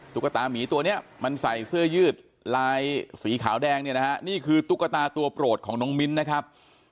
ตุ๊กตามีตัวนี้มันใส่เสื้อยืดลายสีขาวแดงเนี่ยนะฮะนี่คือตุ๊กตาตัวโปรดของน้องมิ้นนะครับ